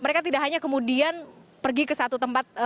mereka tidak hanya kemudian pergi ke satu tempat